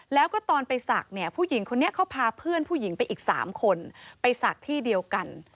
แล้วก็ตอนไปศักดิ์เนี่ยผู้หญิงคนนี้เขาพาเพื่อนผู้หญิงไปอีก๓คนไปศักดิ์ที่เดียวกัน